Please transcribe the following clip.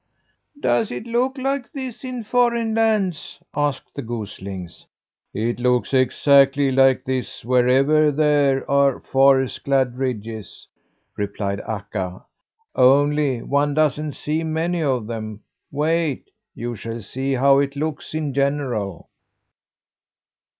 "Does it look like this in foreign lands?" asked the goslings. "It looks exactly like this wherever there are forest clad ridges," replied Akka, "only one doesn't see many of them. Wait! You shall see how it looks in general."